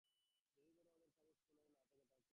ধরো যদি ওদের কাছে স্কোপোলামিন না থাকে তাহলে কী হবে?